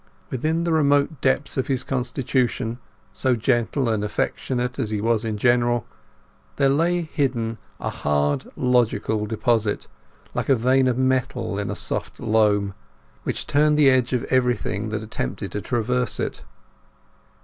Within the remote depths of his constitution, so gentle and affectionate as he was in general, there lay hidden a hard logical deposit, like a vein of metal in a soft loam, which turned the edge of everything that attempted to traverse it.